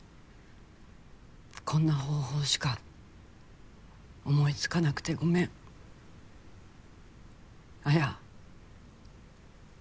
「こんな方法しか思いつかなくてごめん」「綾」